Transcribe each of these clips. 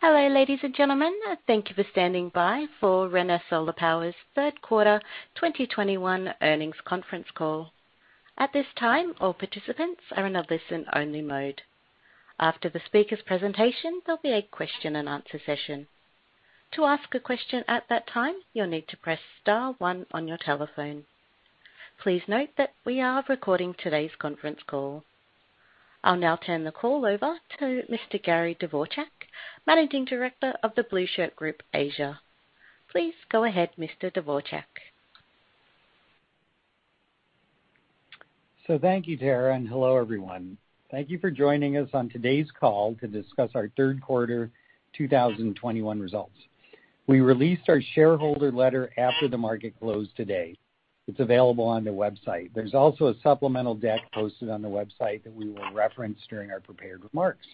Hello, ladies and gentlemen. Thank you fostanding by for ReneSola Power's third quarter 2021 earnings conference call. At this time, all participants are in a listen-only mode. After the speaker's presentation, there'll be a question-and-answer session. To ask a question at that time, you'll need to press star one on your telephone. Please note that we are recording today's conference call. I'll now turn the call over to Mr. Gary Dvorchak, Managing Director of The Blueshirt Group, Asia. Please go ahead, Mr. Dvorchak. Thank you, Tara, and hello, everyone. Thank you for joining us on today's call to discuss our Q3 2021 results. We released our shareholder letter after the market closed today. It's available on the website. There's also a supplemental deck posted on the website that we will reference during our prepared remarks.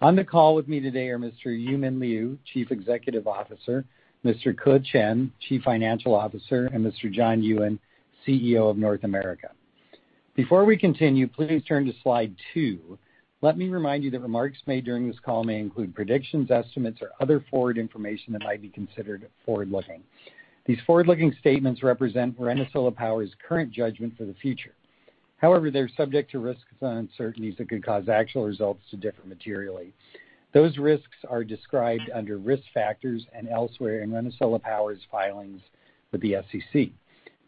On the call with me today are Mr.Yumin Liu, Chief Executive Officer, Mr.Ke Chen, Chief Financial Officer, and Mr. John Ewen, CEO of North America. Before we continue, please turn to Slide two. Let me remind you that remarks made during this call may include predictions, estimates, or other forward information that might be considered forward-looking. These forward-looking statements represent ReneSola Power's current judgment for the future. However, they're subject to risks and uncertainties that could cause actual results to differ materially. Those risks are described under Risk Factors and elsewhere in ReneSola Power's filings with the SEC.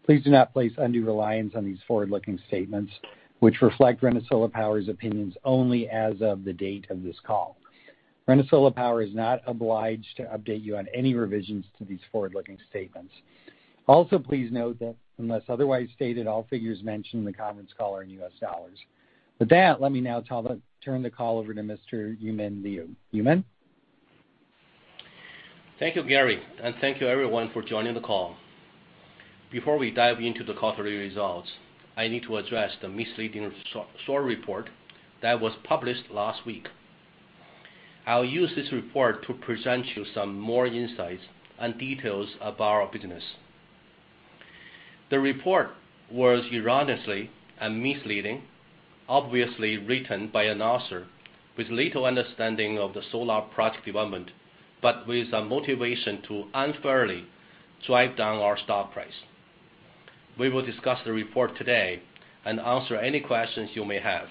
Please do not place undue reliance on these forward-looking statements, which reflect ReneSola Power's opinions only as of the date of this call. ReneSola Power is not obliged to update you on any revisions to these forward-looking statements. Also, please note that unless otherwise stated, all figures mentioned in the conference call are in U.S. dollars. With that, let me now turn the call over to Mr. Yumin Liu. Yumin. Thank you, Gary, and thank you everyone for joining the call. Before we dive into the quarterly results, I need to address the misleading short-seller report that was published last week. I'll use this report to present you some more insights and details about our business. The report was erroneous and misleading, obviously written by an author with little understanding of the solar project development, but with a motivation to unfairly drive down our stock price. We will discuss the report today and answer any questions you may have.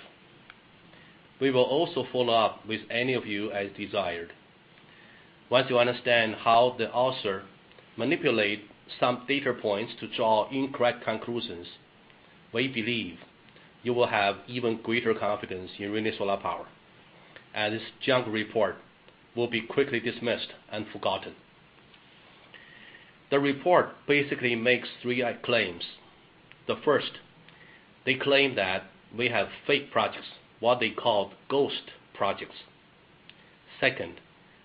We will also follow up with any of you as desired. Once you understand how the author manipulate some data points to draw incorrect conclusions, we believe you will have even greater confidence in ReneSola Power, and this junk report will be quickly dismissed and forgotten. The report basically makes three claims. The first, they claim that we have fake projects, what they call ghost projects. Second,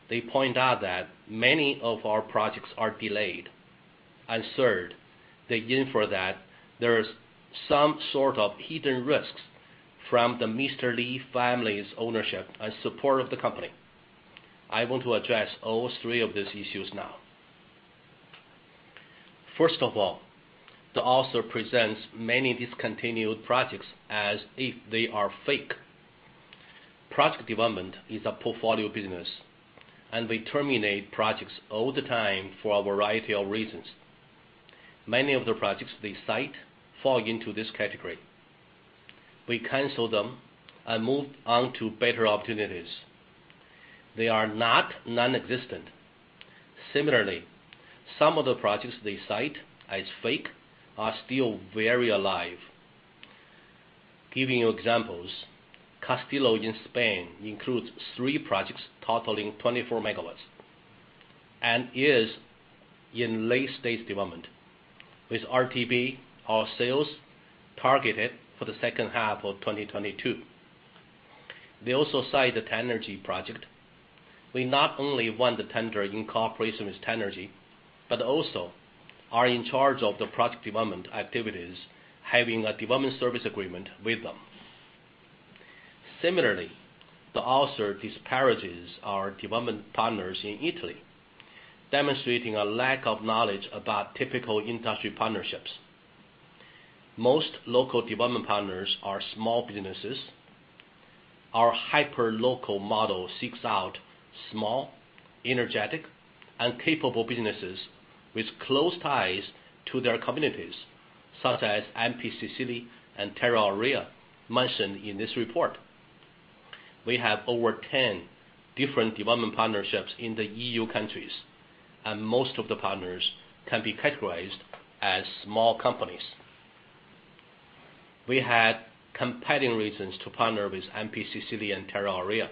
they point out that many of our projects are delayed. Third, they infer that there is some sort of hidden risks from the Mr. Li family's ownership and support of the company. I want to address all three of these issues now. First of all, the author presents many discontinued projects as if they are fake. Project development is a portfolio business, and we terminate projects all the time for a variety of reasons. Many of the projects they cite fall into this category. We cancel them and move on to better opportunities. They are not nonexistent. Similarly, some of the projects they cite as fake are still very alive. Giving you examples, Castilla in Spain includes three projects totaling 24 MW and is in late-stage development, with RTB or sales targeted for the second half of 2022. They also cite the Tenergy project. We not only won the tender in cooperation with Tenergy, but also are in charge of the project development activities, having a development service agreement with them. Similarly, the author disparages our development partners in Italy, demonstrating a lack of knowledge about typical industry partnerships. Most local development partners are small businesses. Our hyperlocal model seeks out small, energetic, and capable businesses with close ties to their communities, such as MP Sicily and Terra Aurea Gela, mentioned in this report. We have over 10 different development partnerships in the EU countries, and most of the partners can be categorized as small companies. We had competing reasons to partner with MP Sicily and Terra Aurea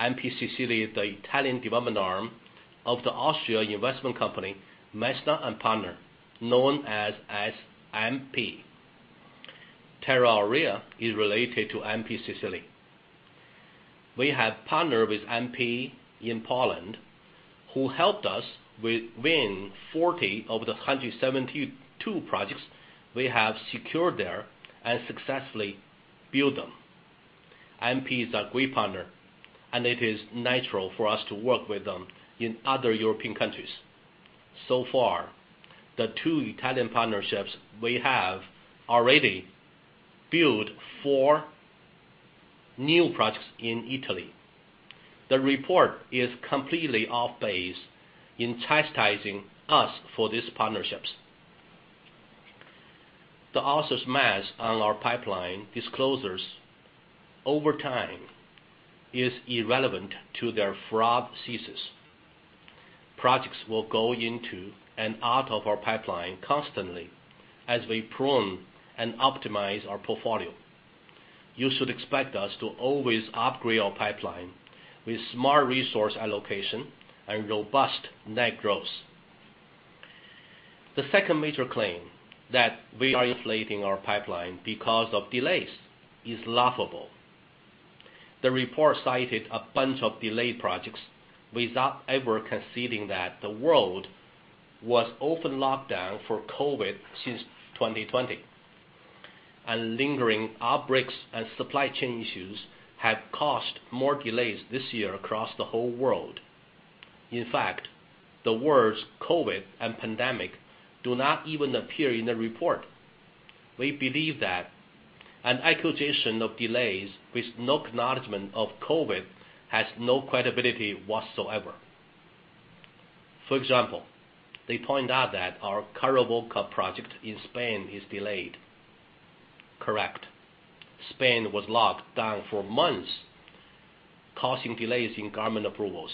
Gela. MP Sicily is the Italian development arm of the Austrian investment company Messner & Partner, known as MP. Terra Aurea Gela is related to MP Sicily. We have partnered with MP in Poland, who helped us win 40 of the 172 projects we have secured there and successfully build them. MP is a great partner, and it is natural for us to work with them in other European countries. Far, the two Italian partnerships we have already built four new projects in Italy. The report is completely off-base in chastising us for these partnerships. The author's math on our pipeline disclosures over time is irrelevant to their fraud thesis. Projects will go into and out of our pipeline constantly as we prune and optimize our portfolio. You should expect us to always upgrade our pipeline with smart resource allocation and robust net growth. The second major claim that we are inflating our pipeline because of delays is laughable. The report cited a bunch of delayed projects without ever conceding that the world was often locked down for COVID since 2020, and lingering outbreaks and supply chain issues have caused more delays this year across the whole world. In fact, the words COVID and pandemic do not even appear in the report. We believe that an accusation of delays with no acknowledgement of COVID has no credibility whatsoever. For example, they point out that our Caravaca project in Spain is delayed. Correct. Spain was locked down for months, causing delays in government approvals.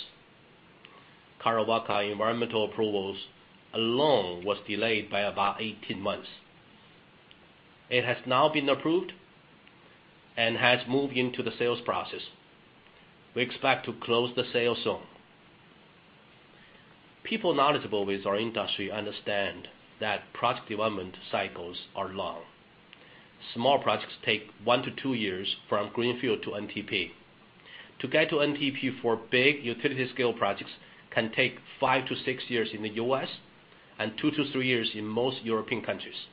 Caravaca environmental approvals alone was delayed by about 18 months. It has now been approved and has moved into the sales process. We expect to close the sale soon. People knowledgeable with our industry understand that project development cycles are long. Small projects take 1-2 years from greenfield to NTP. To get to NTP for big utility scale projects can take 5-6 years in the U.S. and 2-3 years in most European countries.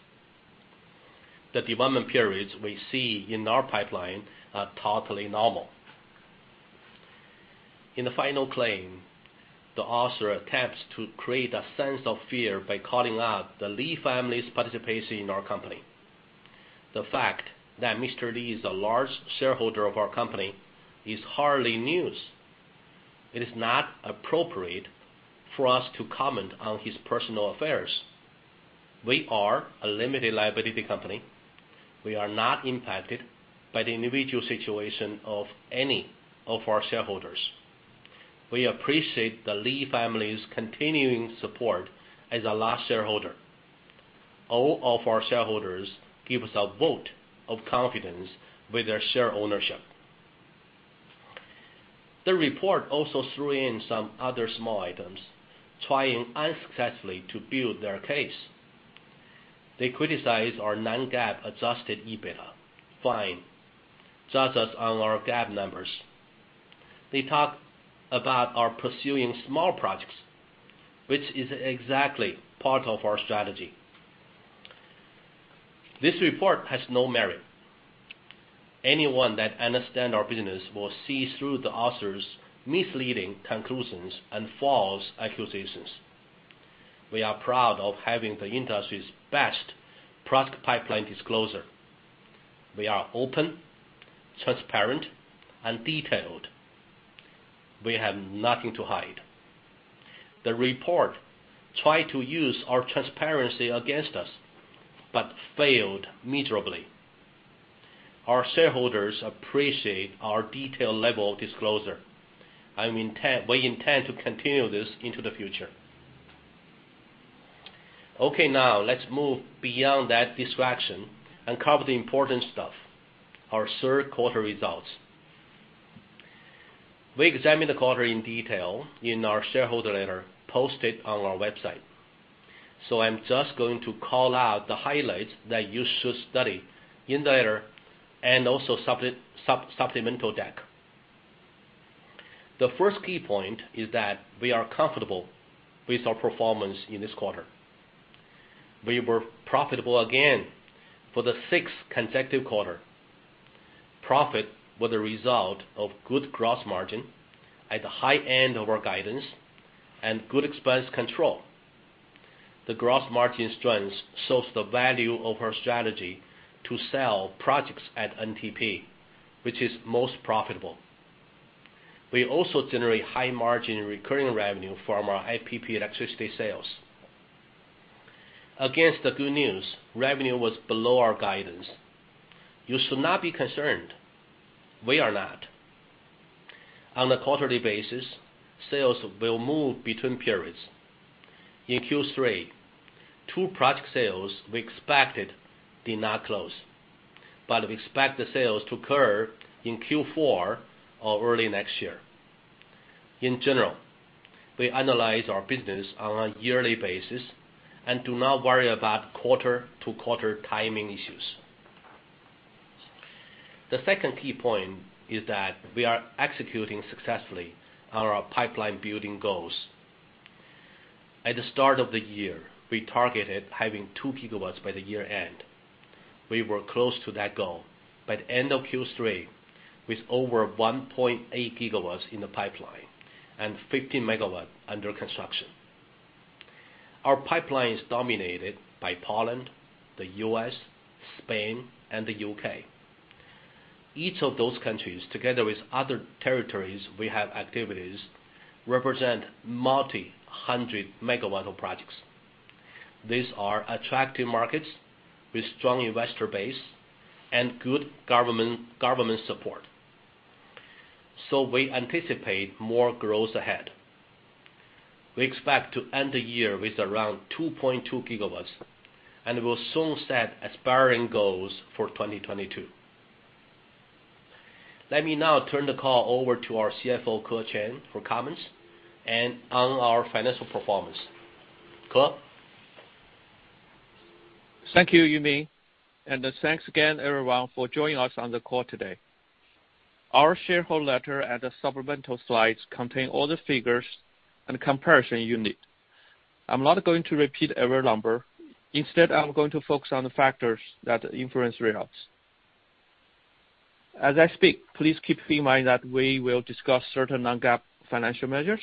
The development periods we see in our pipeline are totally normal. In the final claim, the author attempts to create a sense of fear by calling out the Li family's participation in our company. The fact that Mr. Li is a large shareholder of our company is hardly news. It is not appropriate for us to comment on his personal affairs. We are a limited liability company. We are not impacted by the individual situation of any of our shareholders. We appreciate the Li family's continuing support as a large shareholder. All of our shareholders give us a vote of confidence with their share ownership. The report also threw in some other small items, trying unsuccessfully to build their case. They criticize our non-GAAP adjusted EBITDA. Fine. Judge us on our GAAP numbers. They talk about our pursuing small projects, which is exactly part of our strategy. This report has no merit. Anyone that understand our business will see through the author's misleading conclusions and false accusations. We are proud of having the industry's best project pipeline disclosure. We are open, transparent, and detailed. We have nothing to hide. The report tried to use our transparency against us, but failed miserably. Our shareholders appreciate our detailed level of disclosure, and we intend to continue this into the future. Okay, now let's move beyond that distraction and cover the important stuff, our third quarter results. We examine the quarter in detail in our shareholder letter posted on our website. I'm just going to call out the highlights that you should study in the letter and also supplemental deck. The first key point is that we are comfortable with our performance in this quarter. We were profitable again for the sixth consecutive quarter. Profit was a result of good gross margin at the high end of our guidance and good expense control. The gross margin strength shows the value of our strategy to sell projects at NTP, which is most profitable. We also generate high margin recurring revenue from our IPP electricity sales. Against the good news, revenue was below our guidance. You should not be concerned. We are not. On a quarterly basis, sales will move between periods. In Q3, 2 project sales we expected did not close, but we expect the sales to occur in Q4 or early next year. In general, we analyze our business on a yearly basis and do not worry about quarter-to-quarter timing issues. The second key point is that we are executing successfully on our pipeline building goals. At the start of the year, we targeted having 2 gigawatts by the year-end. We were close to that goal by the end of Q3 with over 1.8 gigawatts in the pipeline and 15 megawatts under construction. Our pipeline is dominated by Poland, the U.S., Spain, and the U.K. Each of those countries, together with other territories we have activities, represent multi-hundred megawatts of projects. These are attractive markets with strong investor base and good government support. We anticipate more growth ahead. We expect to end the year with around 2.2 GW, and we'll soon set aspiring goals for 2022. Let me now turn the call over to our CFO, Ke Chen, for comments and on our financial performance. Ke? Thank you, Yumin Liu, and thanks again everyone for joining us on the call today. Our shareholder letter and the supplemental slides contain all the figures and comparison you need. I'm not going to repeat every number. Instead, I'm going to focus on the factors that influence results. As I speak, please keep in mind that we will discuss certain non-GAAP financial measures.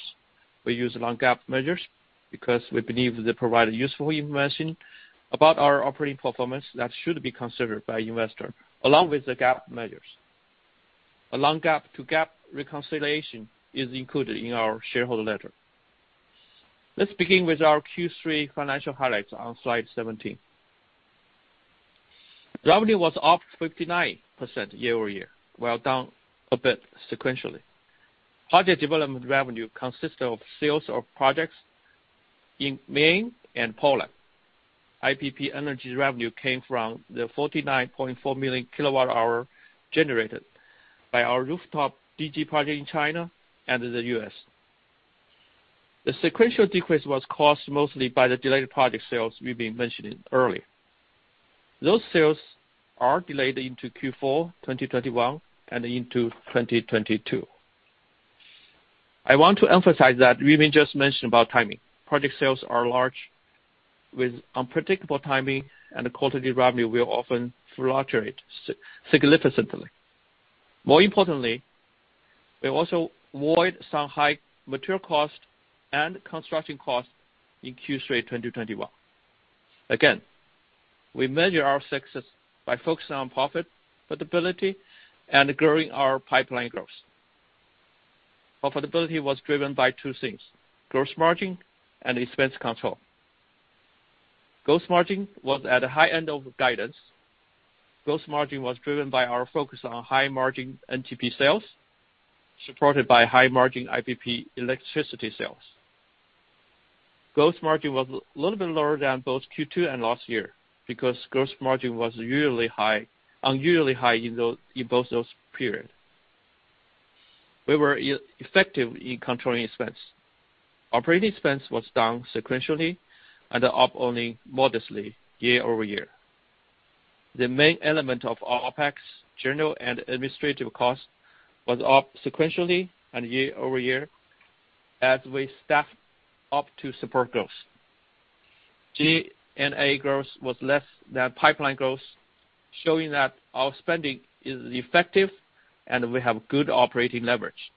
We use non-GAAP measures because we believe they provide useful information about our operating performance that should be considered by investor along with the GAAP measures. A non-GAAP to GAAP reconciliation is included in our shareholder letter. Let's begin with our Q3 financial highlights on Slide 17. Revenue was up 59% year-over-year, while down a bit sequentially. Project development revenue consists of sales of projects in Maine and Poland. IPP energy revenue came from the 49.4 million kWh generated by our rooftop DG project in China and the U.S. The sequential decrease was caused mostly by the delayed project sales we've been mentioning earlier. Those sales are delayed into Q4 2021 and into 2022. I want to emphasize that Yumin Liu just mentioned about timing. Project sales are large, with unpredictable timing and the quantity of revenue will often fluctuate significantly. More importantly, we also avoid some high material cost and construction cost in Q3 2021. Again, we measure our success by focusing on profit, profitability, and growing our pipeline growth. Profitability was driven by two things, gross margin and expense control. Gross margin was at the high end of guidance. Gross margin was driven by our focus on high-margin NTP sales, supported by high-margin IPP electricity sales. Gross margin was a little bit lower than both Q2 and last year because gross margin was usually high, unusually high in both those periods. We were effective in controlling expenses. Operating expenses were down sequentially and up only modestly year-over-year. The main element of our OPEX, general and administrative costs, was up sequentially and year-over-year as we staffed up to support growth. G&A growth was less than pipeline growth, showing that our spending is effective, and we have good operating leverage.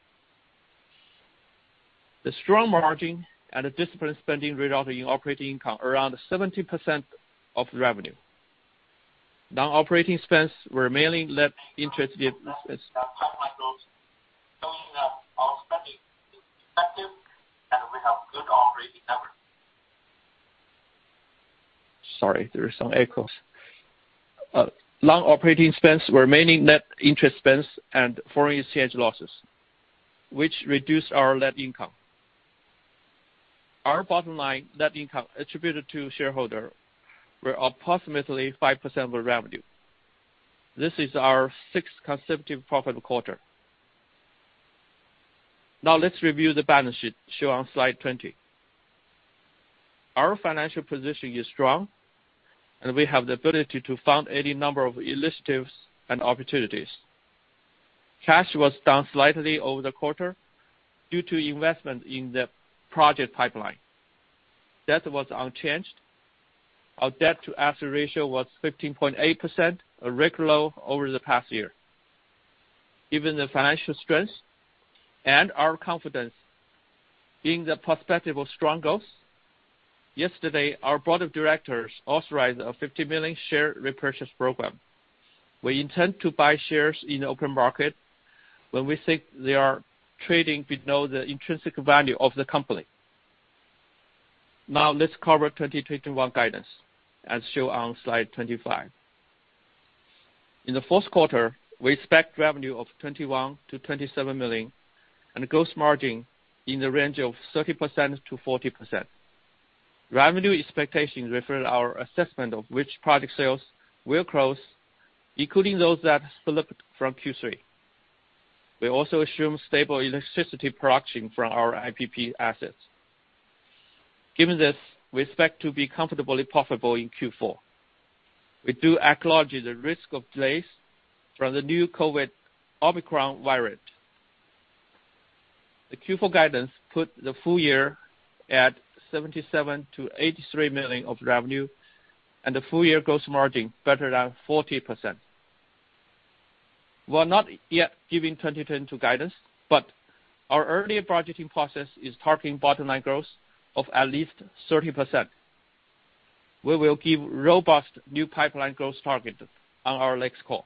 The strong margin and the disciplined spending resulted in operating income around 70% of revenue. Sorry, there is some echoes. Non-operating expenses were mainly net interest expense and foreign exchange losses, which reduced our net income. Our bottom line net income attributable to shareholders was approximately 5% of revenue. This is our sixth consecutive profitable quarter. Now let's review the balance sheet shown on Slide 20. Our financial position is strong, and we have the ability to fund any number of initiatives and opportunities. Cash was down slightly over the quarter due to investment in the project pipeline. Debt was unchanged. Our debt-to-asset ratio was 15.8%, a record low over the past year. Given the financial strength and our confidence in the prospects of strong growth, yesterday, our board of directors authorized a $50 million share repurchase program. We intend to buy shares in open market when we think they are trading below the intrinsic value of the company. Now let's cover 2021 guidance as shown on Slide 25. In the fourth quarter, we expect revenue of $21 million-$27 million and a gross margin in the range of 30%-40%. Revenue expectations refer to our assessment of which product sales will close, including those that slipped from Q3. We also assume stable electricity production from our IPP assets. Given this, we expect to be comfortably profitable in Q4. We do acknowledge the risk of delays from the new COVID Omicron variant. The Q4 guidance put the full year at $77 million-$83 million of revenue and the full year gross margin better than 40%. We're not yet giving 2022 guidance, but our early budgeting process is targeting bottom-line growth of at least 30%. We will give robust new pipeline growth target on our next call.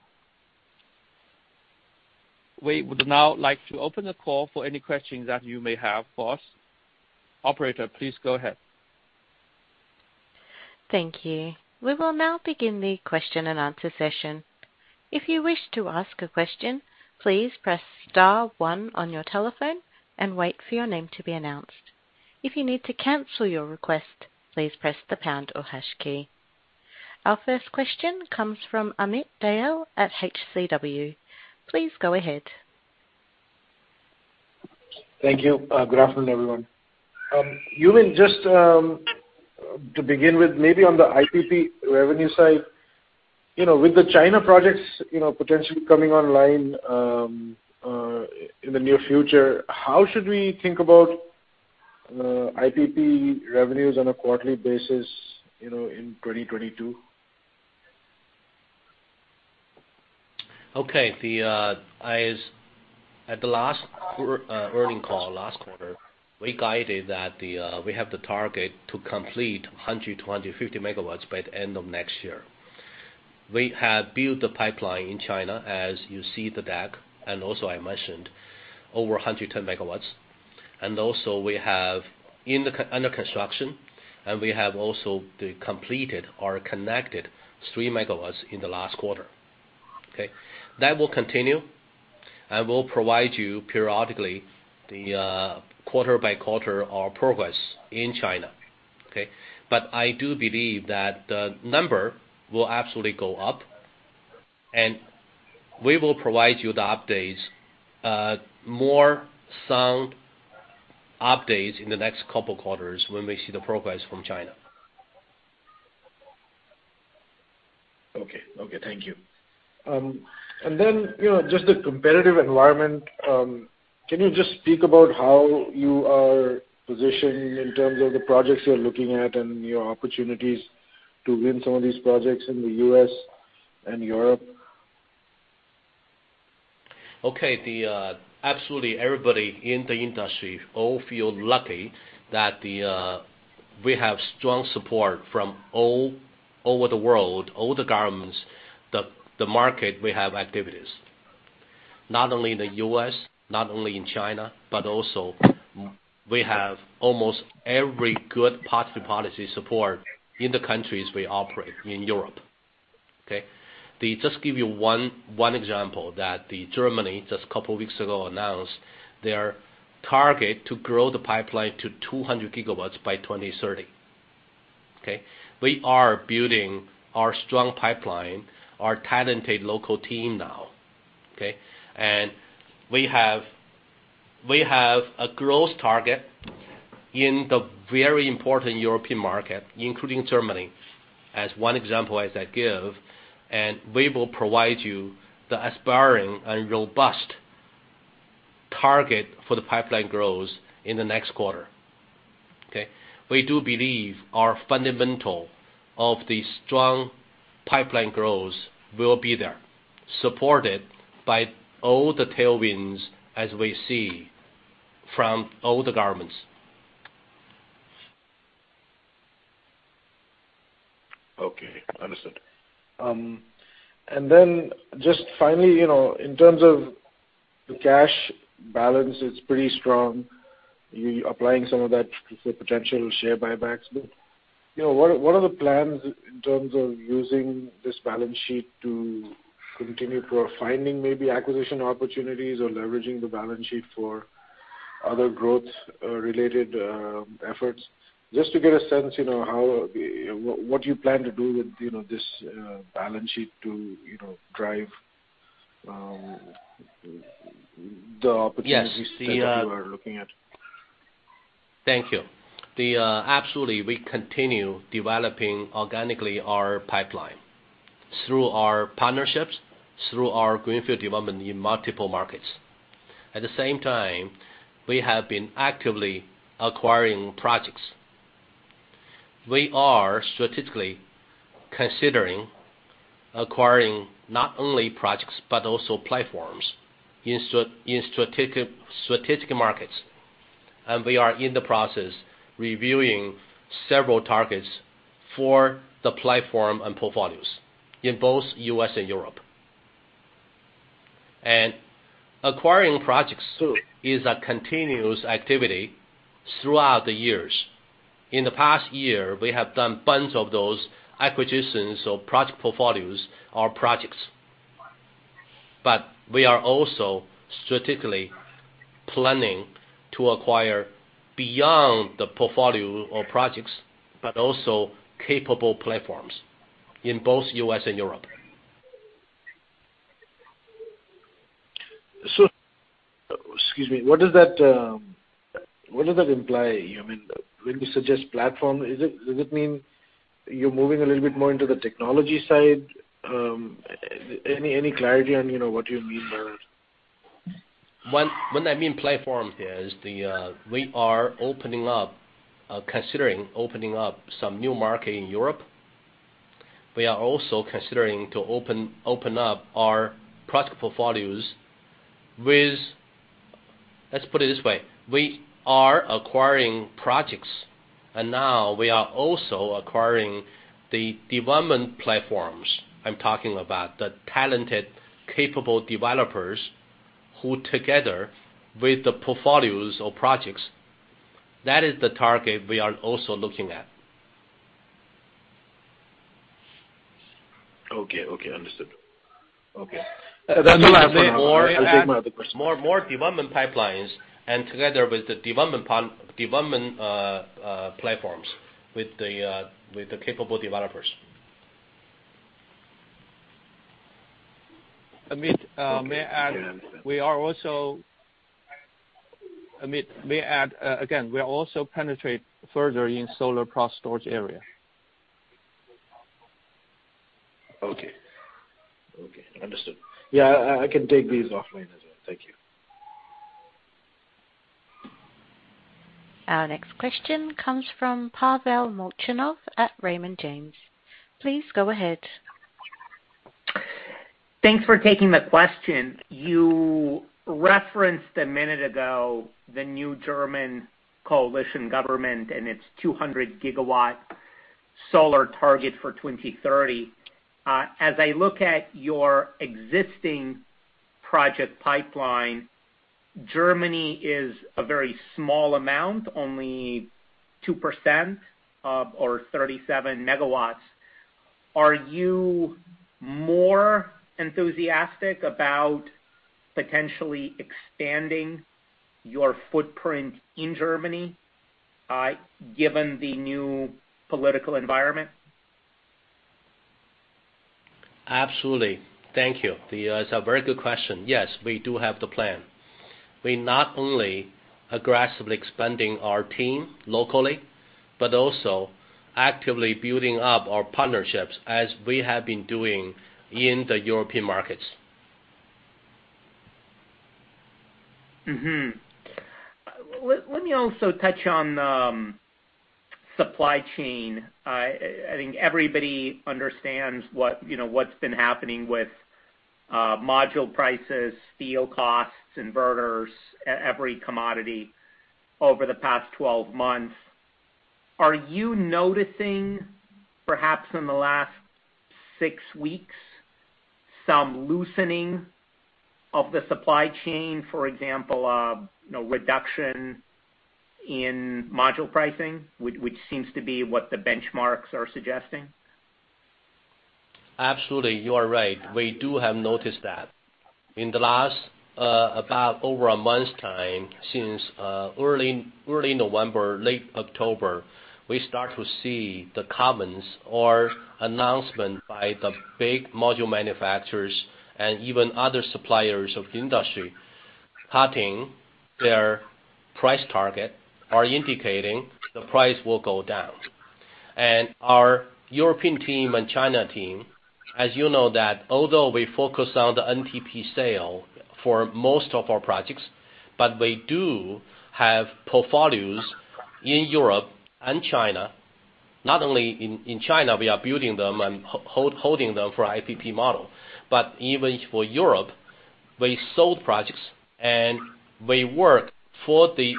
We would now like to open the call for any questions that you may have for us. Operator, please go ahead. Thank you. We will now begin the question-and-answer session. If you wish to ask a question, please press star one on your telephone and wait for your name to be announced. If you need to cancel your request, please press the pound or hash key. Our first question comes from Amit Dayal at HCW. Please go ahead. Thank you. Good afternoon, everyone. Yumin, just to begin with, maybe on the IPP revenue side, you know, with the China projects, you know, potentially coming online in the near future, how should we think about IPP revenues on a quarterly basis, you know, in 2022? Okay. At the last quarter earnings call, we guided that we have the target to complete 100-150 MW by the end of next year. We have built the pipeline in China, as you see in the deck, and also I mentioned over 110 MW. We also have under construction, and we also have the completed or connected 3 MW in the last quarter. Okay? That will continue, and we'll provide you periodically quarter-by-quarter our progress in China. Okay? I do believe that the number will absolutely go up, and we will provide you the updates, more sound updates in the next couple quarters when we see the progress from China. Okay. Okay, thank you. You know, just the competitive environment, can you just speak about how you are positioned in terms of the projects you're looking at and your opportunities to win some of these projects in the U.S. and Europe? Okay. Absolutely everybody in the industry all feel lucky that we have strong support from all over the world, all the governments, the market we have activities, not only in the U.S., not only in China, but also we have almost every good positive policy support in the countries we operate in Europe. Okay. To just give you one example that Germany just a couple weeks ago announced their target to grow the pipeline to 200 GW by 2030. Okay. We are building our strong pipeline, our talented local team now, okay. We have a growth target in the very important European market, including Germany, as one example as I give, and we will provide you the aspiring and robust target for the pipeline growth in the next quarter. Okay. We do believe our fundamentals of the strong pipeline growth will be there, supported by all the tailwinds as we see from all the governments. Okay. Understood. Then just finally, you know, in terms of the cash balance, it's pretty strong. You're applying some of that for potential share buybacks. You know, what are the plans in terms of using this balance sheet to continue for finding maybe acquisition opportunities or leveraging the balance sheet for other growth related efforts? Just to get a sense, you know, how what you plan to do with, you know, this balance sheet to, you know, drive the opportunities. Yes. that you are looking at. Thank you. Absolutely, we continue developing organically our pipeline through our partnerships, through our greenfield development in multiple markets. At the same time, we have been actively acquiring projects. We are strategically considering acquiring not only projects but also platforms in strategic markets. We are in the process reviewing several targets for the platform and portfolios in both U.S. and Europe. Acquiring projects is a continuous activity throughout the years. In the past year, we have done bunch of those acquisitions of project portfolios or projects. We are also strategically planning to acquire beyond the portfolio or projects, but also capable platforms in both U.S. and Europe. Excuse me. What does that imply? I mean, when you suggest platform, does it mean you're moving a little bit more into the technology side? Any clarity on, you know, what you mean by that? When I mean platform is the, we are opening up, considering opening up some new market in Europe. We are also considering to open up our product portfolios with. Let's put it this way. We are acquiring projects, and now we are also acquiring the development platforms. I'm talking about the talented, capable developers who together with the portfolios or projects, that is the target we are also looking at. Okay. Understood. That's the last one. I have one other question. More development pipelines and together with the development platforms with the capable developers. Amit Okay. Yeah, understood. Amit, may I add, again, we are also penetrating further in solar plus storage area. Okay. Understood. Yeah, I can take these offline as well. Thank you. Our next question comes from Pavel Molchanov at Raymond James. Please go ahead. Thanks for taking the question. You referenced a minute ago the new German coalition government and its 200 gigawatt solar target for 2030. As I look at your existing project pipeline, Germany is a very small amount, only 2% or 37 megawatts. Are you more enthusiastic about potentially expanding your footprint in Germany, given the new political environment? Absolutely. Thank you. That is a very good question. Yes, we do have the plan. We not only aggressively expanding our team locally, but also actively building up our partnerships as we have been doing in the European markets. Mm-hmm. Let me also touch on supply chain. I think everybody understands what, you know, what's been happening with module prices, steel costs, inverters, every commodity over the past 12 months. Are you noticing, perhaps in the last 6 weeks, some loosening of the supply chain, for example, you know, reduction in module pricing, which seems to be what the benchmarks are suggesting? Absolutely. You are right. We do have noticed that. In the last, about over a month's time since early November, late October, we start to see the comments or announcement by the big module manufacturers and even other suppliers of the industry cutting their price target or indicating the price will go down. Our European team and China team, as you know that although we focus on the NTP sale for most of our projects, but we do have portfolios in Europe and China. Not only in China, we are building them and holding them for IPP model. Even for Europe, we sold projects, and we work for the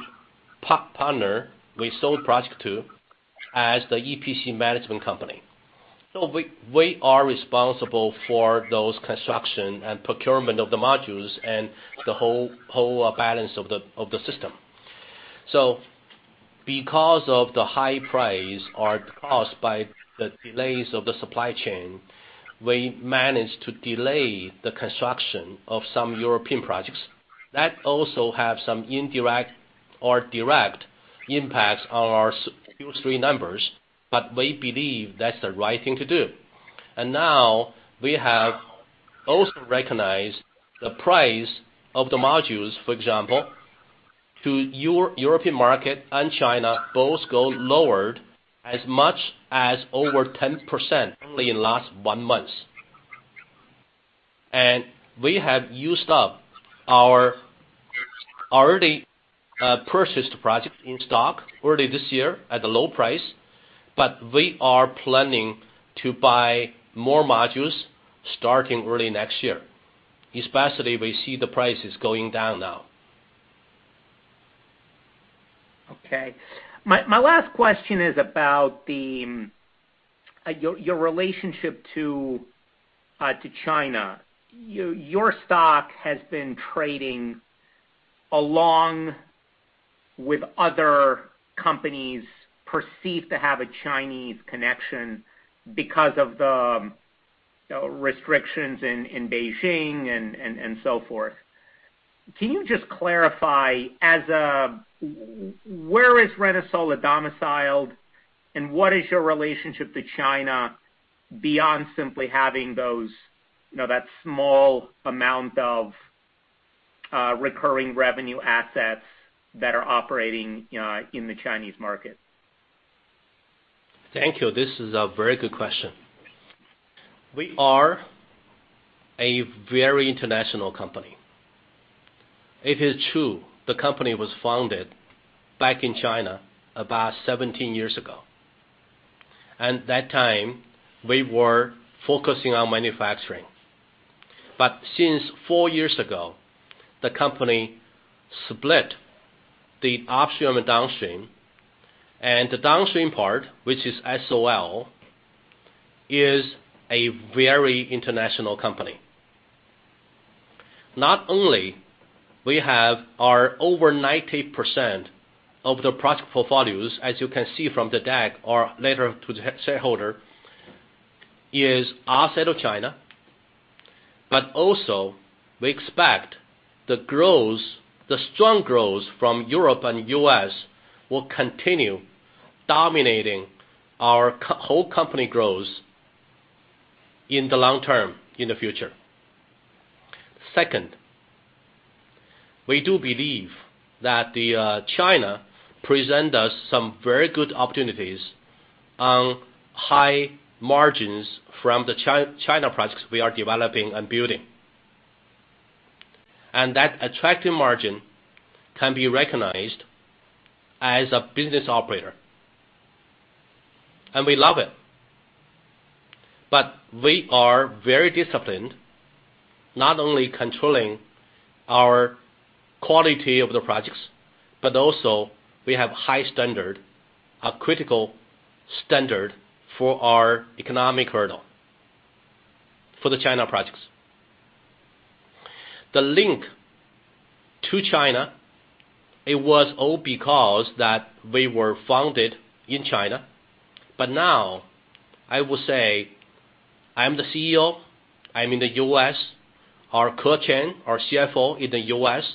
partner we sold project to as the EPC management company. We are responsible for those construction and procurement of the modules and the whole balance of the system. Because of the high price or the cost by the delays of the supply chain, we managed to delay the construction of some European projects. That also have some indirect or direct impacts on our Q3 numbers, but we believe that's the right thing to do. Now we have also recognized the price of the modules, for example, to European market and China both go lowered as much as over 10% only in last one month. We have used up our already purchased project in stock early this year at a low price, but we are planning to buy more modules starting early next year, especially we see the prices going down now. Okay. My last question is about your relationship to China. Your stock has been trading along with other companies perceived to have a Chinese connection because of the, you know, restrictions in Beijing and so forth. Can you just clarify where ReneSola is domiciled, and what is your relationship to China beyond simply having those, you know, that small amount of recurring revenue assets that are operating, you know, in the Chinese market? Thank you. This is a very good question. We are a very international company. It is true, the company was founded back in China about 17 years ago. That time, we were focusing on manufacturing. Since 4 years ago, the company split the upstream and downstream, and the downstream part, which is SOL, is a very international company. Not only we have our over 90% of the project portfolios, as you can see from the deck or letter to the shareholder, is outside of China, but also we expect the growth, the strong growth from Europe and U.S. will continue dominating our whole company growth in the long term in the future. Second, we do believe that the China present us some very good opportunities on high margins from the China projects we are developing and building. That attractive margin can be recognized as a business operator, and we love it. We are very disciplined, not only controlling our quality of the projects, but also we have high standard, a critical standard for our economic hurdle for the China projects. The link to China, it was all because that we were founded in China. Now I will say I am the CEO. I'm in the U.S. Our Ke Chen, our CFO, is in the U.S.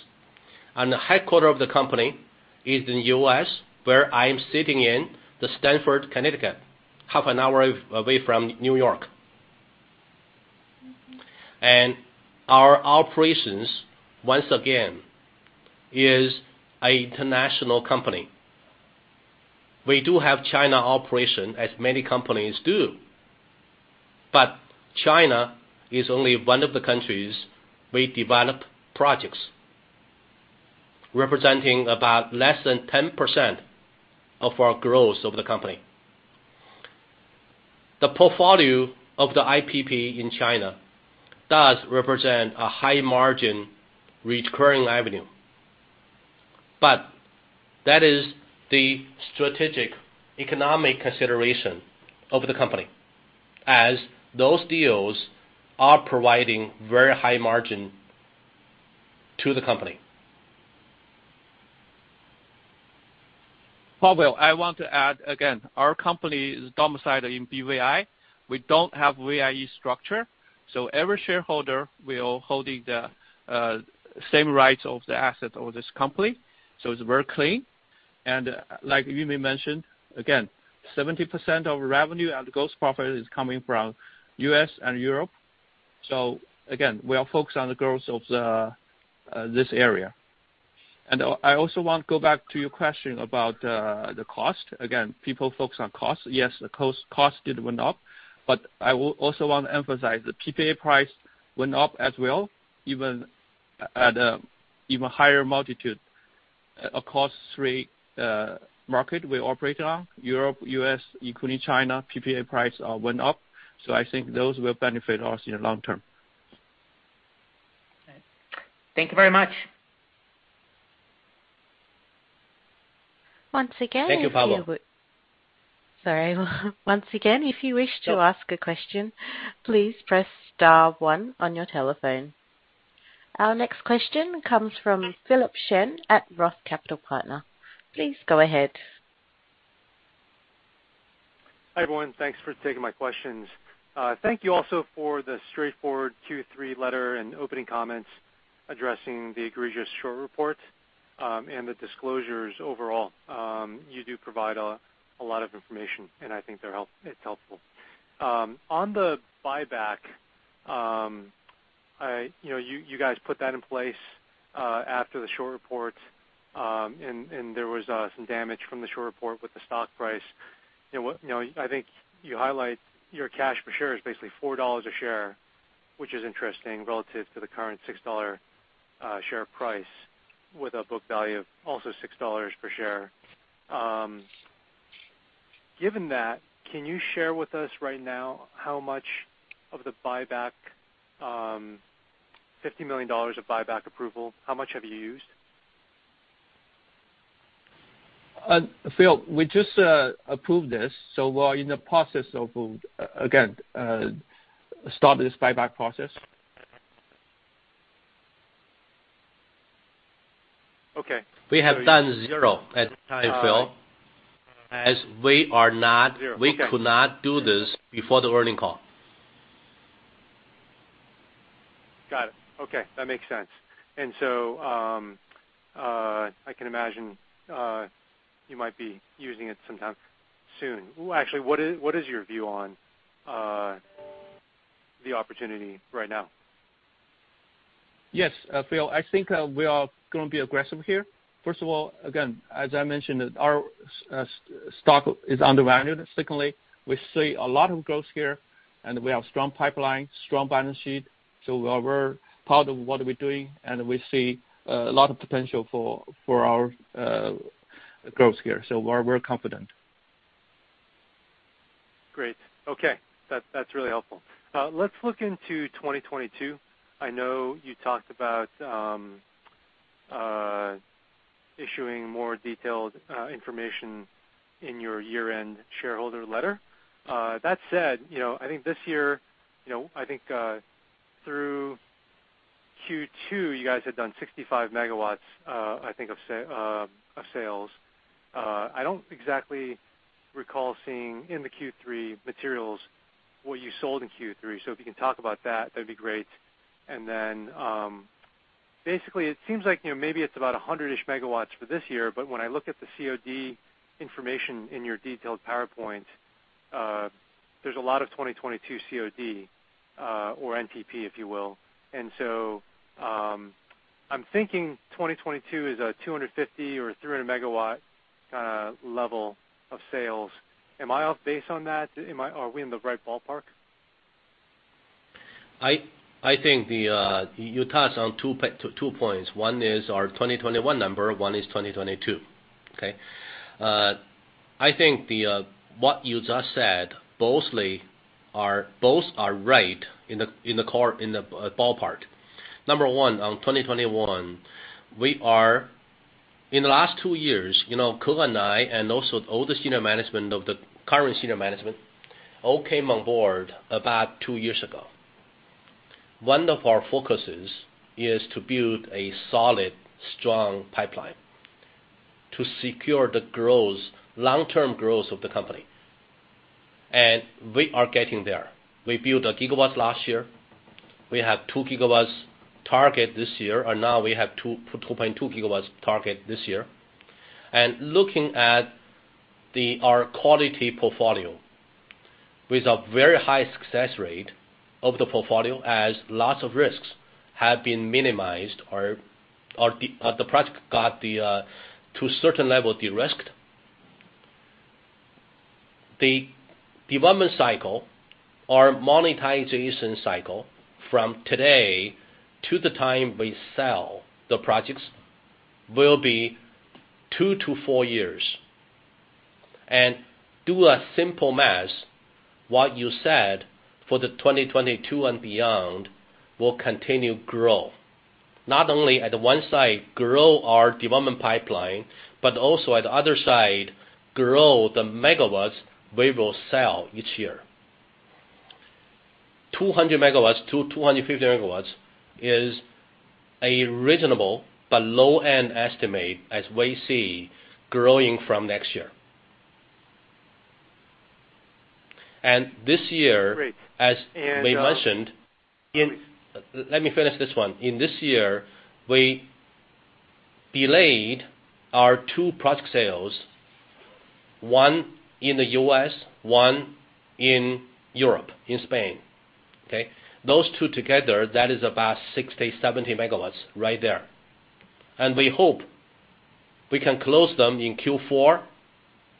The headquarters of the company is in the U.S., where I am sitting in Stamford, Connecticut, half an hour away from New York. Our operations, once again, is an international company. We do have China operation, as many companies do, but China is only one of the countries we develop projects, representing about less than 10% of our growth of the company. The portfolio of the IPP in China does represent a high margin recurring revenue. That is the strategic economic consideration of the company, as those deals are providing very high margin to the company. Pavel, I want to add again, our company is domiciled in BVI. We don't have VIE structure, so every shareholder will holding the same rights of the assets of this company, so it's very clean. Like Yumin Liu mentioned, again, 70% of revenue and gross profit is coming from U.S. and Europe. We are focused on the growth of this area. I also want to go back to your question about the cost. People focus on cost. Yes, the cost did went up. I will also want to emphasize the PPA price went up as well, even at an even higher multiple across three markets we operate in Europe, U.S., including China, PPA price went up. Those will benefit us in the long term. Thank you very much. Once again. Thank you, Pavel. Sorry. Once again, if you wish to ask a question, please press star one on your telephone. Our next question comes from Philip Shen at Roth Capital Partners. Please go ahead. Hi, everyone. Thanks for taking my questions. Thank you also for the straightforward Q3 letter and opening comments addressing the egregious short report and the disclosures overall. You do provide a lot of information, and I think it's helpful. On the buyback, I... You know, you guys put that in place after the short report, and there was some damage from the short report with the stock price. You know what, you know, I think you highlight your cash per share is basically $4 a share, which is interesting relative to the current $6 share price with a book value of also $6 per share. Given that, can you share with us right now how much of the buyback, $50 million of buyback approval, how much have you used? Phil, we just approved this, so we're in the process of, again, starting this buyback process. Okay. We have done zero at the time, Philip, as we are not. Okay. We could not do this before the earnings call. Got it. Okay. That makes sense. I can imagine you might be using it sometime soon. Actually, what is your view on the opportunity right now? Yes, Phil, I think we are gonna be aggressive here. First of all, again, as I mentioned, our stock is undervalued. Secondly, we see a lot of growth here, and we have strong pipeline, strong balance sheet, so we are very proud of what we're doing, and we see a lot of potential for our growth here. We're confident. Great. Okay. That's really helpful. Let's look into 2022. I know you talked about issuing more detailed information in your year-end shareholder letter. That said, you know, I think this year, you know, I think through Q2, you guys had done 65 MW, I think of sales. I don't exactly recall seeing in the Q3 materials what you sold in Q3. So if you can talk about that'd be great. Basically it seems like, you know, maybe it's about 100-ish MW for this year, but when I look at the COD information in your detailed PowerPoint, there's a lot of 2022 COD or NTP, if you will. I'm thinking 2022 is a 250 or 300 MW level of sales. Am I off base on that? Are we in the right ballpark? I think you touched on two points. One is our 2021 number, one is 2022, okay? I think what you just said, most are right in the ballpark. Number one, on 2021, we are. In the last two years, you know, Ke Chen and I, and also all the senior management of the current senior management, all came on board about two years ago. One of our focuses is to build a solid, strong pipeline to secure the growth, long-term growth of the company. We are getting there. We built 1 gigawatt last year. We have 2 gigawatts target this year, or now we have 2.2 gigawatts target this year. Looking at our quality portfolio with a very high success rate of the portfolio as lots of risks have been minimized or the project got to a certain level de-risked. The development cycle or monetization cycle from today to the time we sell the projects will be 2-4 years. Do a simple math, what you said for 2022 and beyond will continue grow. Not only at one side grow our development pipeline, but also at the other side grow the megawatts we will sell each year. 200 MW-250 MW is a reasonable but low-end estimate as we see growing from next year. This year. Great. As we mentioned. Sorry. Let me finish this one. In this year, we delayed our two project sales, one in the U.S., one in Europe, in Spain, okay? Those two together, that is about 60-70 MW right there. We hope we can close them in Q4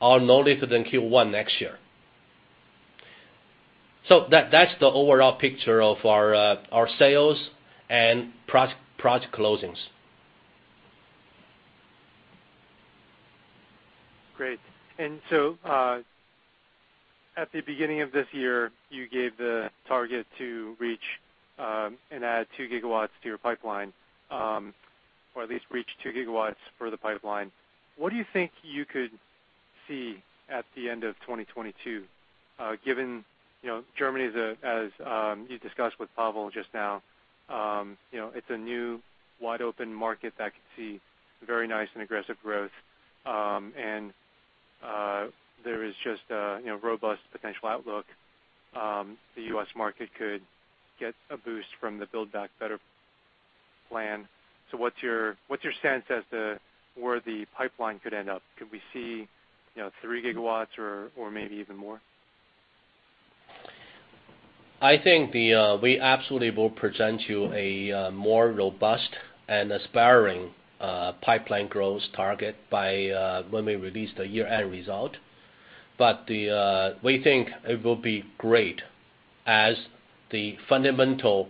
or no later than Q1 next year. That, that's the overall picture of our sales and project closings. Great. At the beginning of this year, you gave the target to reach and add 2 GW to your pipeline or at least reach 2 GW for the pipeline. What do you think you could see at the end of 2022, given you know, Germany is, as you discussed with Pavel just now, you know, it's a new wide-open market that could see very nice and aggressive growth, and there is just a you know, robust potential outlook, the U.S. market could get a boost from the Build Back Better plan. What's your sense as to where the pipeline could end up? Could we see you know, 3 GW or maybe even more? We absolutely will present you a more robust and aspiring pipeline growth target by when we release the year-end result. We think it will be great as the fundamental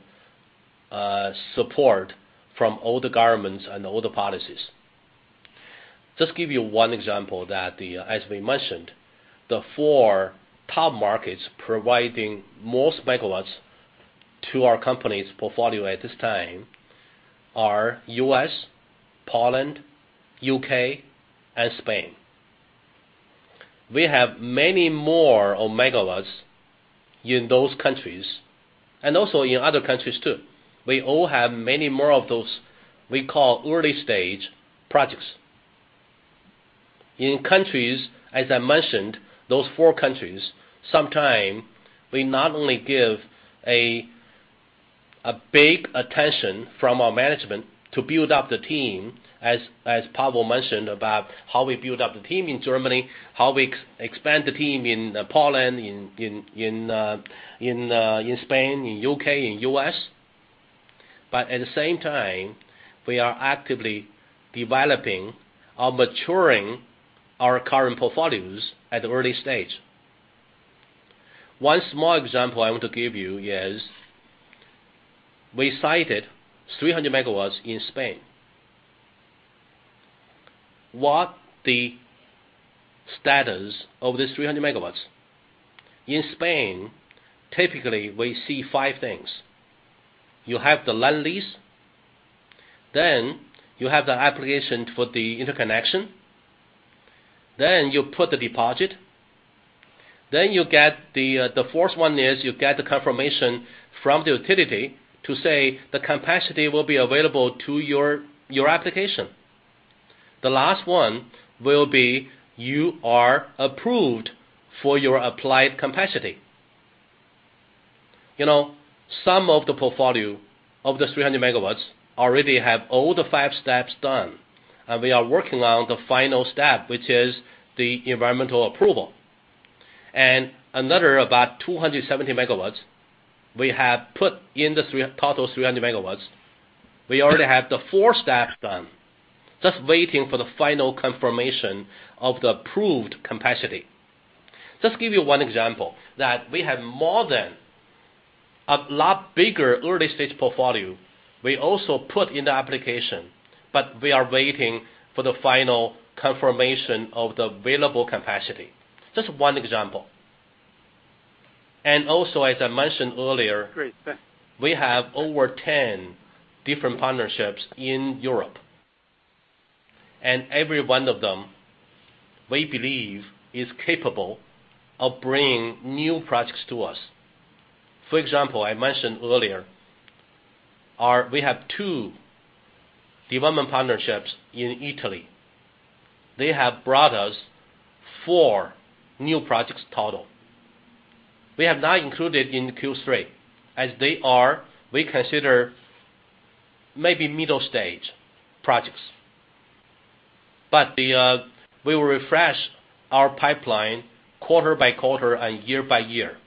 support from all the governments and all the policies. Just give you one example, as we mentioned, the four top markets providing most megawatts to our company's portfolio at this time are U.S., Poland, U.K., and Spain. We have many more megawatts in those countries and also in other countries too. We all have many more of those we call early stage projects. In countries, as I mentioned, those four countries, sometimes we not only give a big attention from our management to build up the team, as Pavel mentioned about how we build up the team in Germany, how we expand the team in Spain, in U.K., in U.S. At the same time, we are actively developing or maturing our current portfolios at the early stage. One small example I want to give you is we sited 300 MW in Spain. What is the status of this 300 MW? In Spain, typically we see five things. You have the land lease, then you have the application for the interconnection, then you put the deposit, then you get the fourth one is you get the confirmation from the utility to say the capacity will be available to your application. The last one will be you are approved for your applied capacity. You know some of the portfolio of this 300 MW already have all the five steps done, and we are working on the final step, which is the environmental approval. Another about 270 MW we have put in the total 300 MW. We already have the four steps done, just waiting for the final confirmation of the approved capacity. Just give you one example, that we have more than a lot bigger early-stage portfolio. We also put in the application, but we are waiting for the final confirmation of the available capacity. Just one example. As I mentioned earlier. Great, thank- We have over 10 different partnerships in Europe, and every one of them, we believe, is capable of bringing new projects to us. For example, I mentioned earlier, we have two development partnerships in Italy. They have brought us four new projects total. We have not included in Q3 as they are, we consider, maybe middle-stage projects. The, we will refresh our pipeline quarter-by-quarter and year-by-year.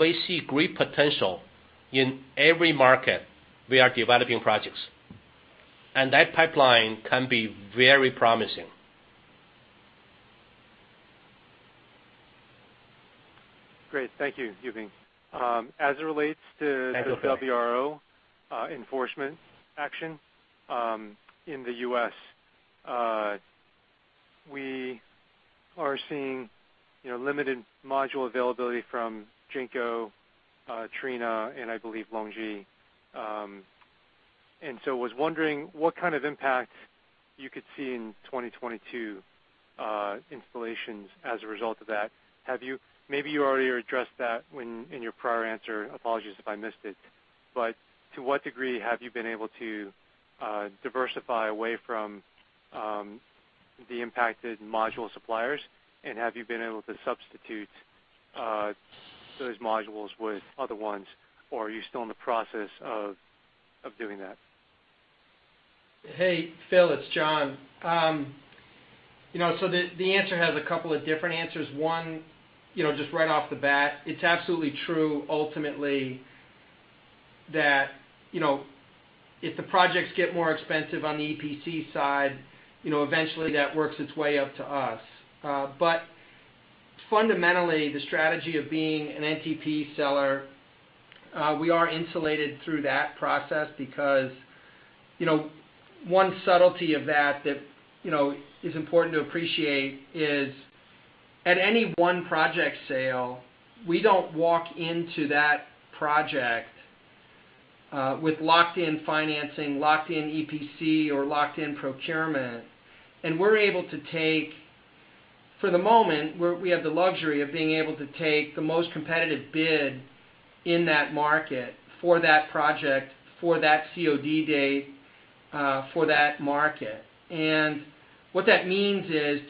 We see great potential in every market we are developing projects, and that pipeline can be very promising. Great. Thank you, Yumin Liu. As it relates to. Thank you, Phil. The WRO enforcement action in the U.S., we are seeing, you know, limited module availability from Jinko, Trina, and I believe LONGi. I was wondering what kind of impact you could see in 2022 installations as a result of that. Maybe you already addressed that in your prior answer. Apologies if I missed it. To what degree have you been able to diversify away from the impacted module suppliers? And have you been able to substitute those modules with other ones, or are you still in the process of doing that? Hey, Phil, it's John. You know, the answer has a couple of different answers. One, you know, just right off the bat, it's absolutely true, ultimately, that, you know, if the projects get more expensive on the EPC side, you know, eventually that works its way up to us. But fundamentally, the strategy of being an NTP seller, we are insulated through that process because, you know, one subtlety of that you know is important to appreciate is at any one project sale, we don't walk into that project with locked-in financing, locked-in EPC or locked-in procurement. For the moment, we have the luxury of being able to take the most competitive bid in that market for that project, for that COD date, for that market. What that means is,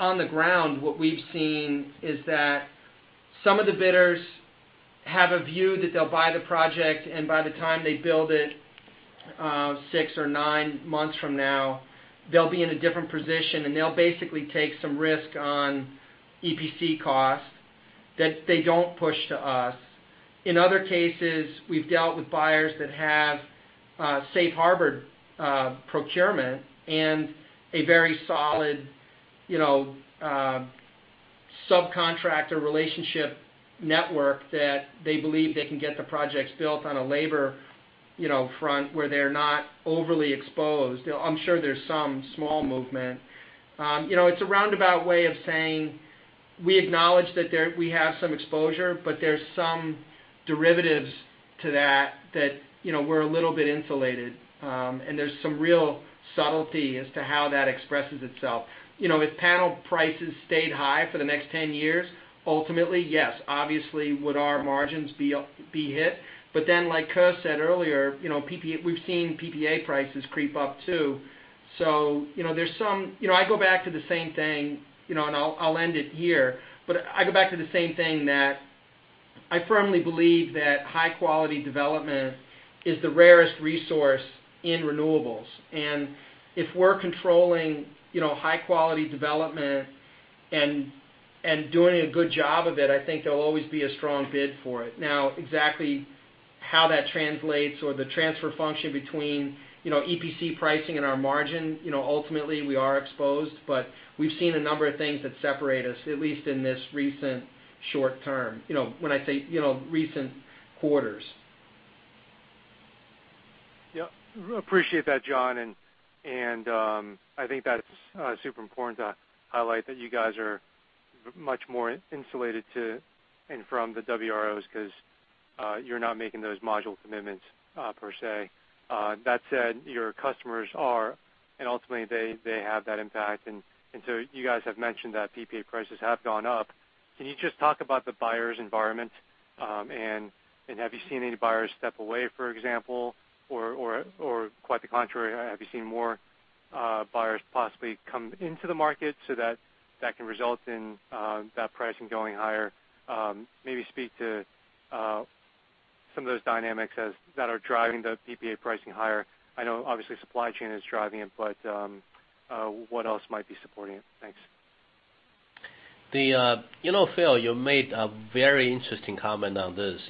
on the ground, what we've seen is that some of the bidders have a view that they'll buy the project, and by the time they build it, 6 or 9 months from now, they'll be in a different position, and they'll basically take some risk on EPC costs that they don't push to us. In other cases, we've dealt with buyers that have safe-harbored procurement and a very solid, you know, subcontractor relationship network that they believe they can get the projects built on a labor, you know, front where they're not overly exposed. You know, I'm sure there's some small movement. You know, it's a roundabout way of saying we acknowledge that there we have some exposure, but there's some derivatives to that, you know, we're a little bit insulated. There's some real subtlety as to how that expresses itself. You know, if panel prices stayed high for the next 10 years, ultimately, yes, obviously, would our margins be hit. Like Ke said earlier, you know, we've seen PPA prices creep up too. You know, there's some. You know, I go back to the same thing, you know, and I'll end it here, but I go back to the same thing that I firmly believe that high-quality development is the rarest resource in renewables. If we're controlling, you know, high-quality development and doing a good job of it, I think there'll always be a strong bid for it. Now, exactly how that translates or the transfer function between, you know, EPC pricing and our margin, you know, ultimately, we are exposed, but we've seen a number of things that separate us, at least in this recent short term, you know, when I say, you know, recent quarters. Yeah. Appreciate that, John. I think that's super important to highlight that you guys are much more insulated to and from the WROs because you're not making those module commitments per se. That said, your customers are, and ultimately they have that impact. You guys have mentioned that PPA prices have gone up. Can you just talk about the buyer's environment, and have you seen any buyers step away, for example? Or quite the contrary, have you seen more buyers possibly come into the market so that that can result in that pricing going higher? Maybe speak to some of those dynamics that are driving the PPA pricing higher. I know obviously supply chain is driving it, but what else might be supporting it? Thanks. Philip, you made a very interesting comment on this.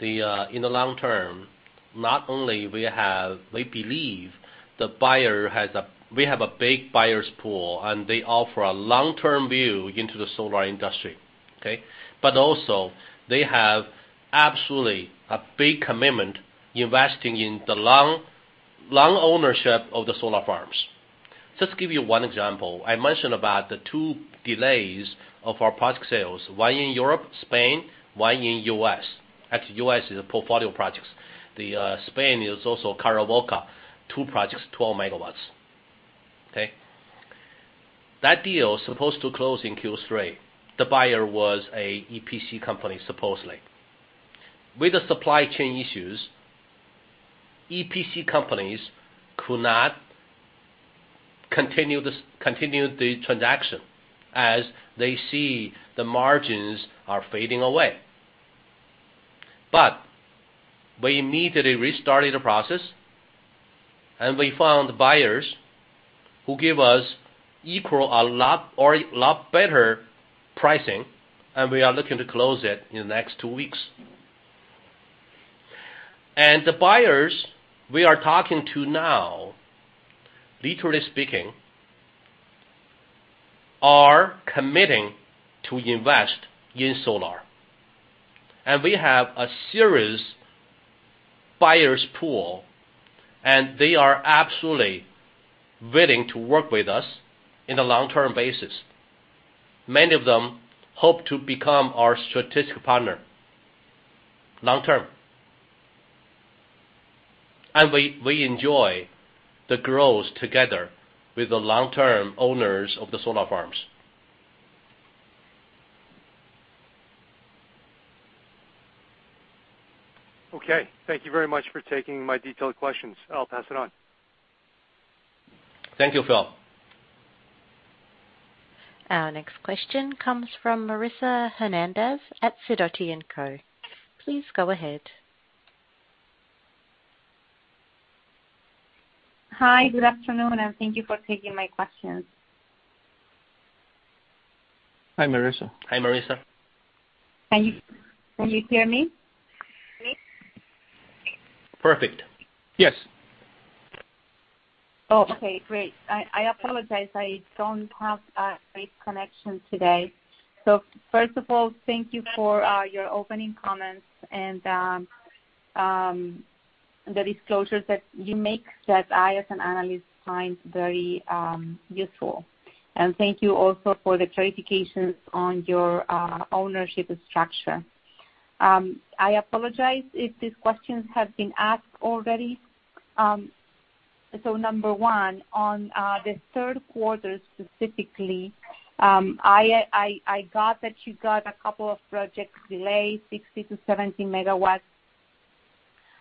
In the long term, we believe the buyer has a big buyer's pool, and they offer a long-term view into the solar industry. Okay. But also they have absolutely a big commitment investing in the long, long ownership of the solar farms. Just give you one example. I mentioned about the two delays of our project sales, one in Europe, Spain, one in U.S. Actually, U.S. is portfolio projects. The Spain is also Caravaca, two projects, 12 MW. Okay. That deal supposed to close in Q3. The buyer was an EPC company, supposedly. With the supply chain issues, EPC companies could not continue the transaction as they see the margins are fading away. We immediately restarted the process, and we found buyers who give us equal or a lot better pricing, and we are looking to close it in the next 2 weeks. The buyers we are talking to now, literally speaking, are committing to invest in solar. We have a serious buyers pool, and they are absolutely willing to work with us on a long-term basis. Many of them hope to become our strategic partner, long-term. We enjoy the growth together with the long-term owners of the solar farms. Okay. Thank you very much for taking my detailed questions. I'll pass it on. Thank you, Phil. Our next question comes from Marisa Hernandez at Sidoti & Company. Please go ahead. Hi. Good afternoon, thank you for taking my questions. Hi, Marisa. Hi, Marisa. Can you hear me? Please. Perfect. Yes. Oh, okay. Great. I apologize. I don't have a great connection today. First of all, thank you for your opening comments and the disclosures that you make that I as an analyst find very useful. Thank you also for the clarifications on your ownership structure. I apologize if these questions have been asked already. Number one, on the third quarter specifically, I got that you got a couple of projects delayed 60-70 MW.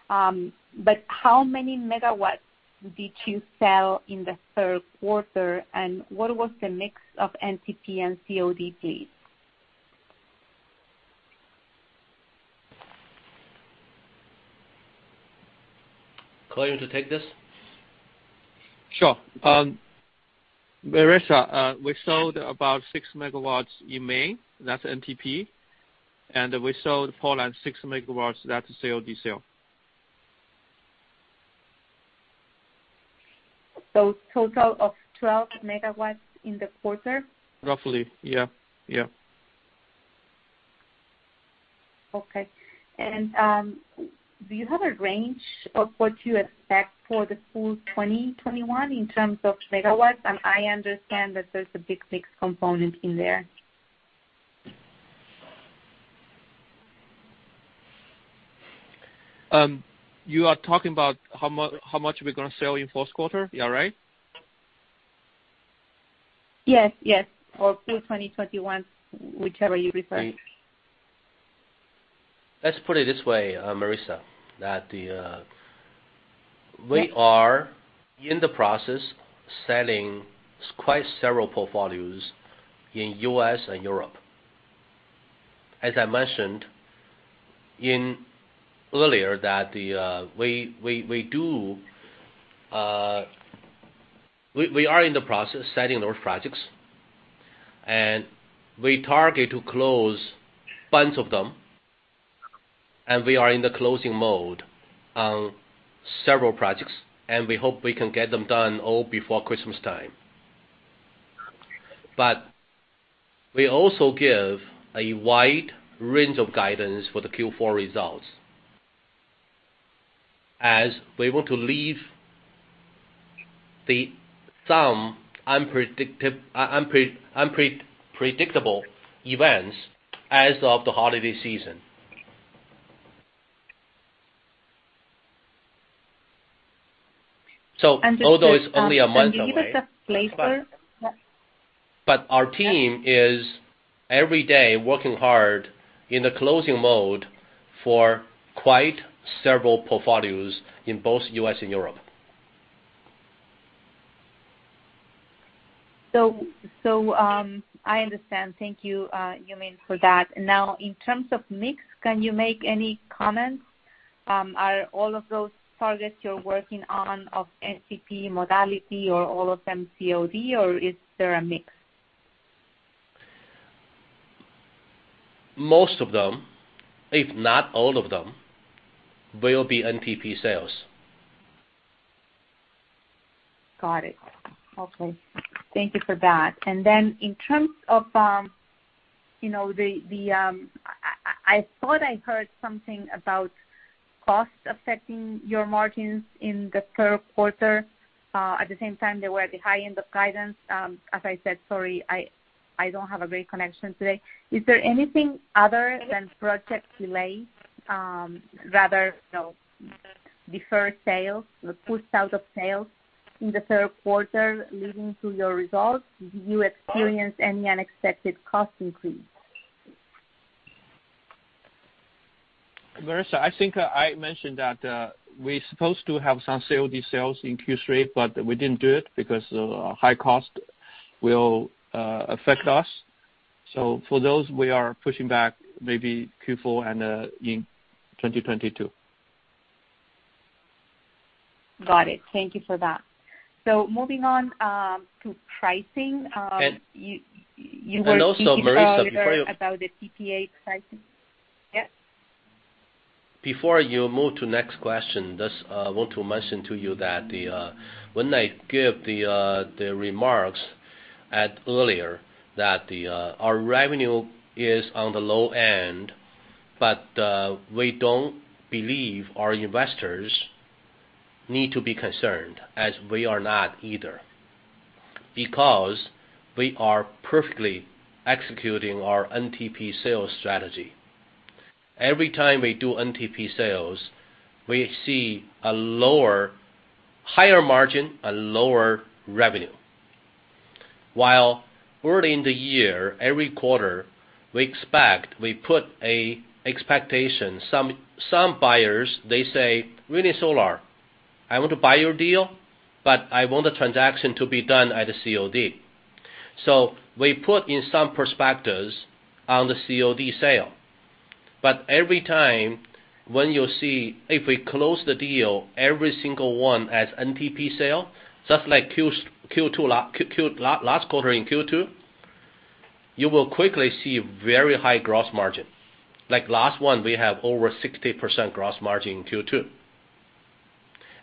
How many megawatts did you sell in the third quarter, and what was the mix of NTP and COD, please? Ke Chen to take this. Sure. Marisa, we sold about 6 MW in Maine. That's NTP. We sold 4 and 6 MW. That's COD sale. Total of 12 MW in the quarter? Roughly, yeah. Yeah. Okay. Do you have a range of what you expect for the full 2021 in terms of megawatts? I understand that there's a big mix component in there. You are talking about how much we're gonna sell in first quarter? Yeah, right? Yes, yes. Through 2021, whichever you prefer. Let's put it this way, Marisa, that the... We are in the process of selling quite several portfolios in U.S. and Europe. As I mentioned earlier that we are in the process of setting those projects, and we target to close bunch of them. We are in the closing mode on several projects, and we hope we can get them done all before Christmas time. We also give a wide range of guidance for the Q4 results as we want to leave some unpredictable events as of the holiday season. Although it's only a month away. Can you give us a flavor? Our team is every day working hard in the closing mode for quite several portfolios in both U.S. and Europe. I understand. Thank you, Yumin, for that. Now, in terms of mix, can you make any comments? Are all of those targets you're working on of NTP modality or all of them COD or is there a mix? Most of them, if not all of them, will be NTP sales. Got it. Okay. Thank you for that. In terms of, I thought I heard something about costs affecting your margins in the third quarter. At the same time, they were at the high end of guidance. As I said, sorry, I don't have a great connection today. Is there anything other than project delays, rather deferred sales or pushed out of sales in the third quarter leading to your results? Did you experience any unexpected cost increase? Marisa, I think I mentioned that, we're supposed to have some COD sales in Q3, but we didn't do it because high costs will affect us. For those, we are pushing back maybe Q4 and in 2022. Got it. Thank you for that. Moving on to pricing. And- You were speaking earlier. Marisa, before you- About the PPA pricing. Yeah. Before you move to the next question, just want to mention to you that when I gave the remarks earlier that our revenue is on the low end, but we don't believe our investors need to be concerned as we are not either, because we are perfectly executing our NTP sales strategy. Every time we do NTP sales, we see a higher margin and lower revenue. While early in the year, every quarter we expect we put an expectation some buyers they say, "ReneSola, I want to buy your deal, but I want the transaction to be done at a COD." So we put in some projections on the COD sale. Every time when you see if we close the deal, every single one as NTP sale, just like Q2, last quarter in Q2, you will quickly see very high gross margin. Like last one, we have over 60% gross margin in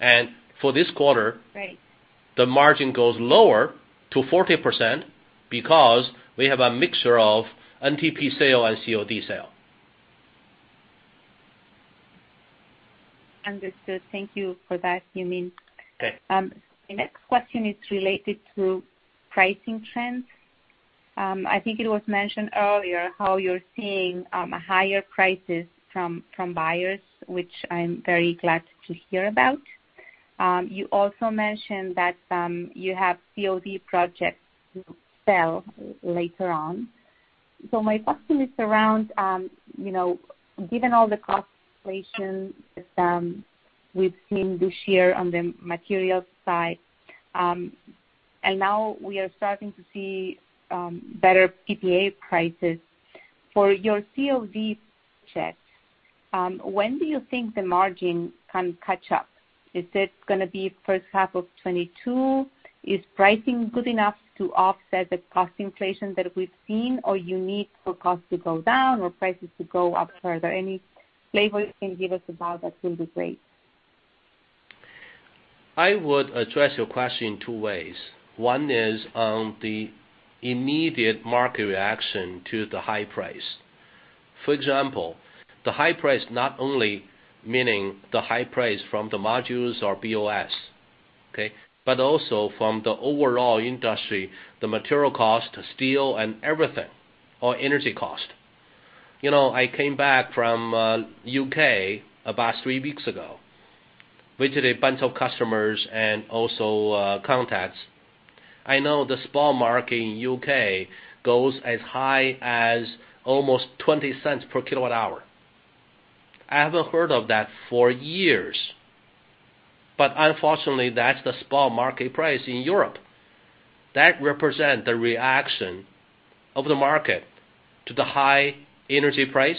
Q2. For this quarter- Right. The margin goes lower to 40% because we have a mixture of NTP sale and COD sale. Understood. Thank you for that, Yumin. Okay. The next question is related to pricing trends. I think it was mentioned earlier how you're seeing higher prices from buyers, which I'm very glad to hear about. You also mentioned that you have COD projects to sell later on. My question is around, you know, given all the cost inflation we've seen this year on the material side, and now we are starting to see better PPA prices. For your COD checks, when do you think the margin can catch up? Is it gonna be first half of 2022? Is pricing good enough to offset the cost inflation that we've seen or you need for cost to go down or prices to go up further? Any flavor you can give us about that will be great. I would address your question in two ways. One is on the immediate market reaction to the high price. For example, the high price not only meaning the high price from the modules or BOS, okay, but also from the overall industry, the material cost, steel and everything, or energy cost. You know, I came back from U.K. about three weeks ago, visited a bunch of customers and also contacts. I know the spot market in U.K. goes as high as almost 0.20 per kWh. I haven't heard of that for years. Unfortunately, that's the spot market price in Europe. That represent the reaction of the market to the high energy price,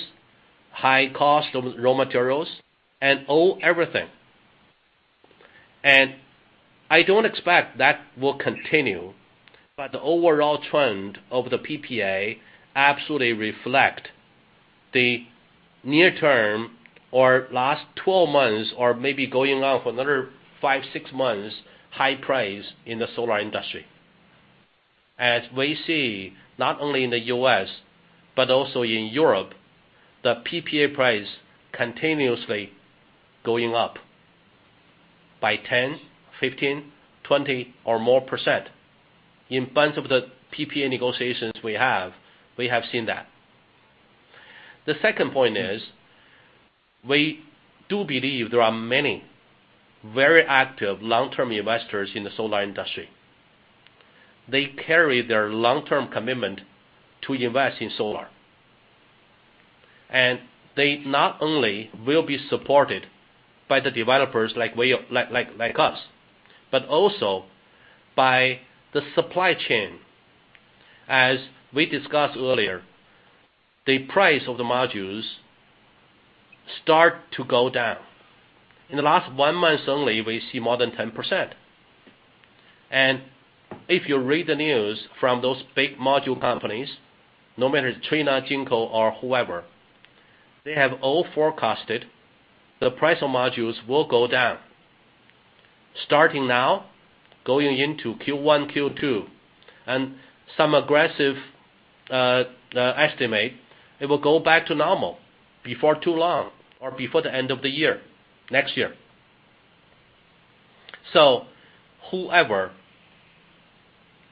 high cost of raw materials, and all, everything. I don't expect that will continue, but the overall trend of the PPA absolutely reflect the near term or last 12 months or maybe going on for another five, six months high price in the solar industry. As we see, not only in the U.S. but also in Europe, the PPA price continuously going up by 10, 15, 20 or more %. In a bunch of the PPA negotiations we have, we have seen that. The second point is we do believe there are many very active long-term investors in the solar industry. They carry their long-term commitment to invest in solar. They not only will be supported by the developers like us, but also by the supply chain. As we discussed earlier, the price of the modules start to go down. In the last one month only, we see more than 10 %. If you read the news from those big module companies, no matter Trina, Jinko or whoever, they have all forecasted the price of modules will go down. Starting now, going into Q1, Q2, and some aggressive estimate, it will go back to normal before too long or before the end of the year, next year.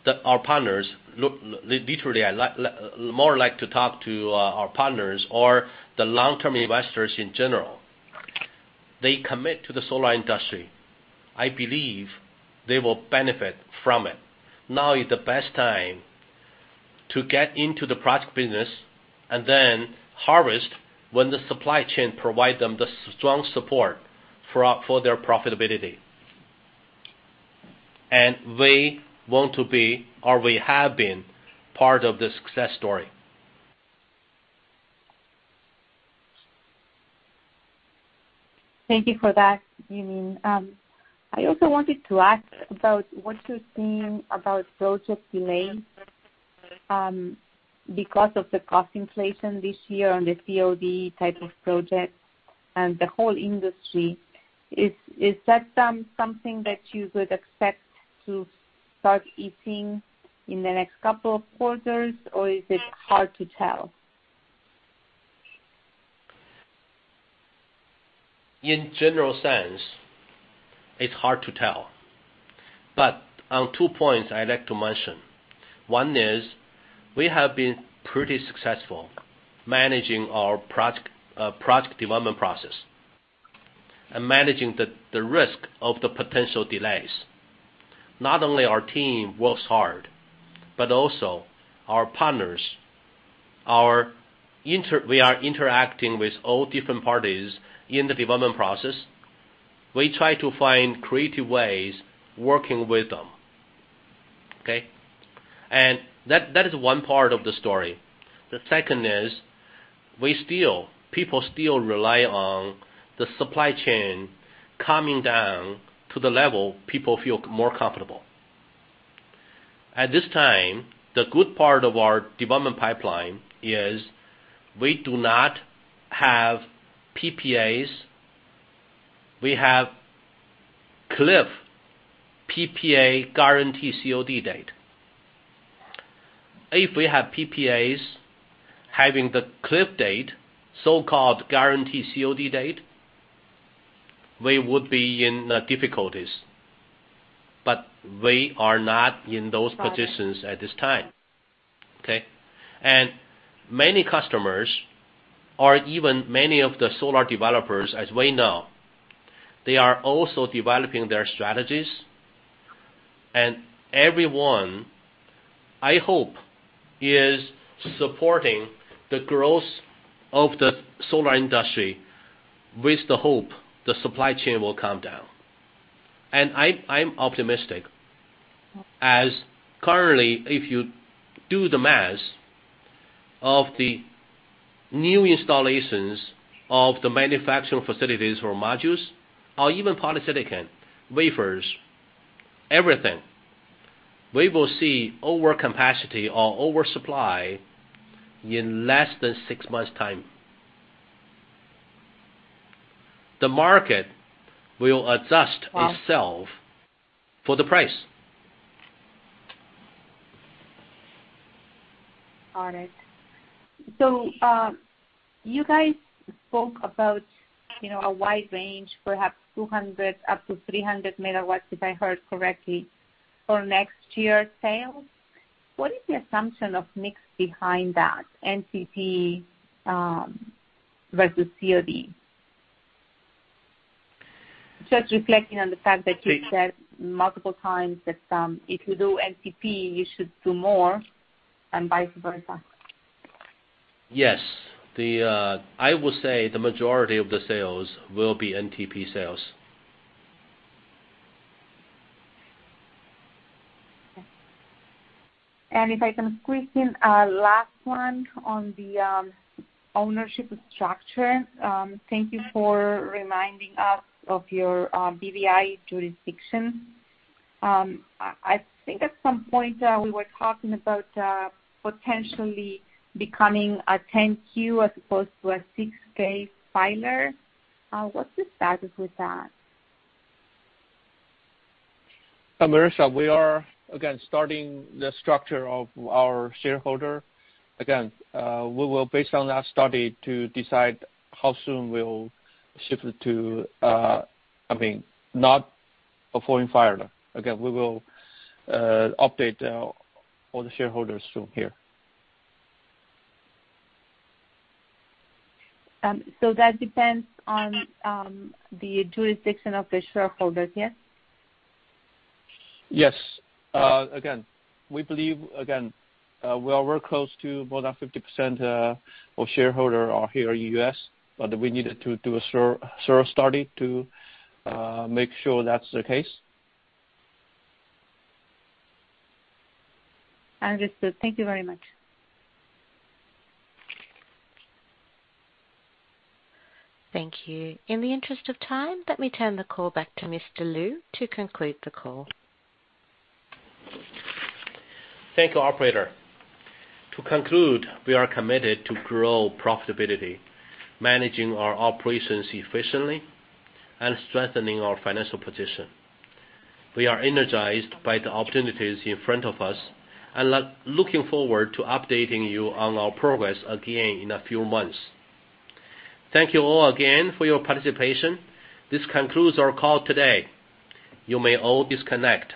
I like to talk to our partners or the long-term investors in general. They commit to the solar industry. I believe they will benefit from it. Now is the best time to get into the project business and then harvest when the supply chain provide them the strong support for their profitability. We want to be, or we have been part of the success story. Thank you for that, Yumin. I also wanted to ask about what you're seeing about project delays, because of the cost inflation this year on the COD type of projects and the whole industry. Is that something that you would expect to start easing in the next couple of quarters, or is it hard to tell? In general sense, it's hard to tell. On two points I'd like to mention. One is we have been pretty successful managing our project development process and managing the risk of the potential delays. Not only our team works hard, but also we are interacting with all different parties in the development process. We try to find creative ways working with them, okay? That is one part of the story. The second is people still rely on the supply chain coming down to the level people feel more comfortable. At this time, the good part of our development pipeline is we do not have PPAs. We have cliff PPA guarantee COD date. If we have PPAs having the cliff date, so-called guarantee COD date, we would be in difficulties. We are not in those positions at this time, okay? Many customers or even many of the solar developers as we know, they are also developing their strategies. Everyone, I hope, is supporting the growth of the solar industry with the hope the supply chain will come down. I'm optimistic as currently, if you do the math of the new installations of the manufacturing facilities for modules or even polysilicon, wafers, everything, we will see overcapacity or oversupply in less than six months' time. The market will adjust itself for the price. Got it. You guys spoke about, you know, a wide range, perhaps 200-300 MW, if I heard correctly, for next year sales. What is the assumption of mix behind that, NTP, versus COD? Just reflecting on the fact that you said multiple times that, if you do NTP, you should do more and vice versa. Yes. I would say the majority of the sales will be NTP sales. If I can squeeze in a last one on the ownership structure. Thank you for reminding us of your BVI jurisdiction. I think at some point we were talking about potentially becoming a 10-Q as opposed to a 6-K filer. What's the status with that? Marisa, we are, again, starting the structure of our shareholder. Again, we will, based on that study, to decide how soon we'll shift it to, I mean, not a foreign filer. Again, we will update all the shareholders soon here. That depends on the jurisdiction of the shareholders, yes? Yes. Again, we believe we are very close to more than 50% of shareholder are here in U.S., but we needed to do a survey study to make sure that's the case. Understood. Thank you very much. Thank you. In the interest of time, let me turn the call back to Mr. Liu to conclude the call. Thank you, operator. To conclude, we are committed to grow profitability, managing our operations efficiently and strengthening our financial position. We are energized by the opportunities in front of us and looking forward to updating you on our progress again in a few months. Thank you all again for your participation. This concludes our call today. You may all disconnect.